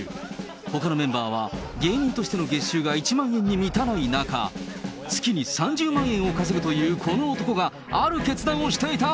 ほかのメンバーは芸人としての月収が１万円に満たない中、月に３０万円を稼ぐというこの男が、ある決断をしていた。